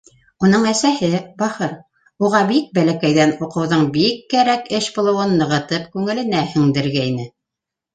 Уның әсәһе, бахыр, уға бик бәләкәйҙән уҡыуҙың бик кәрәк эш булыуын нығытып күңеленә һеңдергәйне.